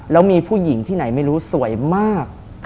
แล้วมีผู้หญิงที่ไหนไม่รู้สวยมาก